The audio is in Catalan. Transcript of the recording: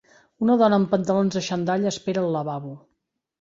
Una dona amb pantalons de xandall espera al lavabo.